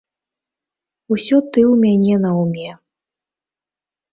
Усё ты ў мяне наўме.